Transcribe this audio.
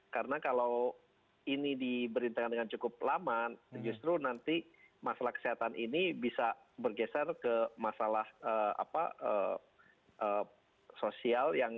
karena kalau ini diberhentakan dengan cukup lama justru nanti masalah kesehatan ini bisa bergeser ke masalah sosial